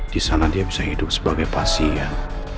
di sana dia bisa hidup sebagai pasien